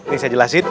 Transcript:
nih saya jelasin